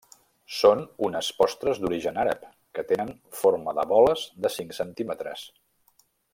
Són unes postres d'origen àrab que tenen forma de boles de cinc centímetres.